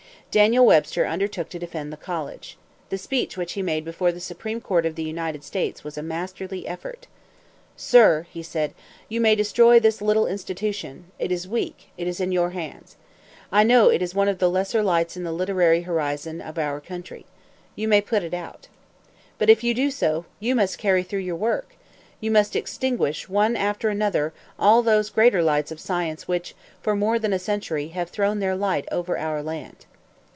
Daniel Webster undertook to defend the college. The speech which he made before the Supreme Court of the United States was a masterly effort. "Sir," he said, "you may destroy this little institution it is weak, it is in your hands. I know it is one of the lesser lights in the literary horizon of our country. You may put it out. "But if you do so, you must carry through your work! You must extinguish, one after another, all those greater lights of science which, for more than a century, have thrown their light over our land!"